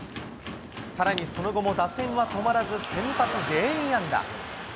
さらに、その後も打線は止まらず、先発全員安打。